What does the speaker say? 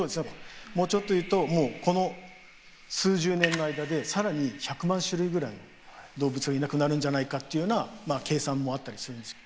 もうちょっと言うともうこの数十年の間で更に１００万種類ぐらいの動物がいなくなるんじゃないかっていうような計算もあったりするんですよ。